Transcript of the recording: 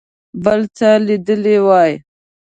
بل څه لیدلي وای.